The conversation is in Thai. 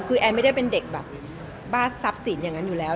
คือแอนไม่ได้เป็นเด็กแบบบ้าทรัพย์สินอย่างนั้นอยู่แล้ว